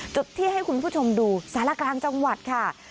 จุดที่ให้คุณผู้ชมดูสารกลางจังหวัดค่ะ